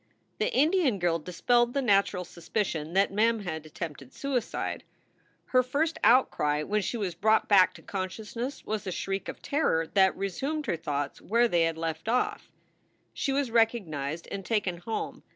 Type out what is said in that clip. The Indian girl dispelled the natural suspicion that Mem had attempted suicide. Her first outcry when she was brought back to consciousness was a shriek of terror that resumed her thoughts where they had left off. She was recognized and taken home.